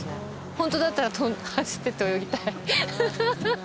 ホントだったら走ってって泳ぎたい！